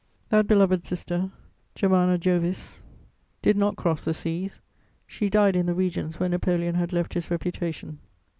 That beloved sister, germana Jovis, did not cross the seas: she died in the regions where Napoleon had left his reputation.